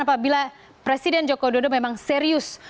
apabila presiden joko dodo memang serius